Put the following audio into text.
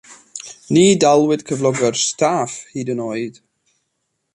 Ni dalwyd cyflogau'r staff hyd yn oed.